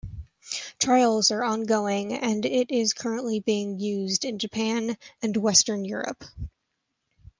Trials are ongoing and it is currently being used in Japan and Western Europe.